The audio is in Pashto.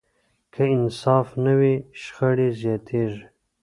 که انصاف نه وي، شخړې زیاتېږي.